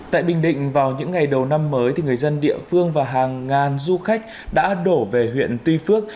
tại bình định vào những ngày đầu năm mới người dân địa phương và hàng ngàn du khách đã đổ về huyện tuy phước